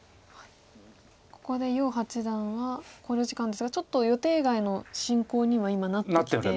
ここで余八段は考慮時間ですがちょっと予定外の進行には今なって。